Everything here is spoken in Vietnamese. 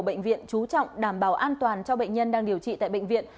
bệnh viện chú trọng đảm bảo an toàn cho bệnh nhân đang điều trị tại bệnh viện